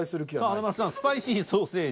華丸さん「スパイシーソーセージ」。